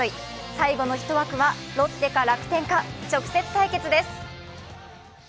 最後の１枠はロッテか楽天か、直接対決です。